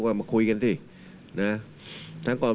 ก็มาแจ้งฝ่ายของคนก็รู้ว่ามาคุยกันสิ